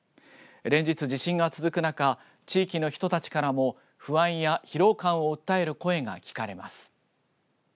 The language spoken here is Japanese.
連日地震が続く中地域の人たちからも不安や疲労感を訴える声が聞かれます。